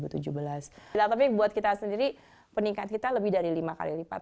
tapi buat kita sendiri peningkatan kita lebih dari lima kali lipat